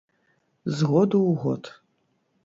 З году ў год.